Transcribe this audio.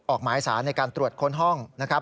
ออกหมายสารในการตรวจค้นห้องนะครับ